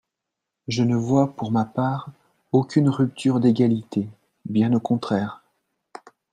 Je ne vois, pour ma part, aucune rupture d’égalité, bien au contraire.